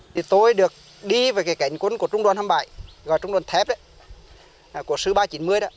thì tôi được đi về cái cảnh quân của trung đoàn hai mươi bảy gọi trung đoàn thép đấy của sứ ba trăm chín mươi đó